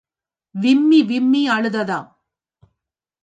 விம்மி விம்மி அழுததாம்.